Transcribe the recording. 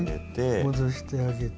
戻してあげて。